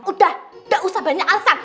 udah gak usah banyak aset